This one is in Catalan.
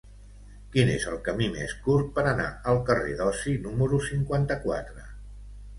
Quin és el camí més curt per anar al carrer d'Osi número cinquanta-quatre?